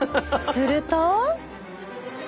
すると。